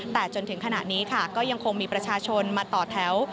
แต่จนถึงขณะนี้ค่ะก็ยังคงมีประชาชนมาต่อแถว